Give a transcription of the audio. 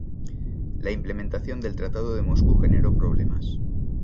La implementación del Tratado de Moscú generó problemas.